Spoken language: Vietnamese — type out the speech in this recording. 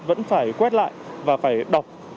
vẫn phải quét lại và phải đọc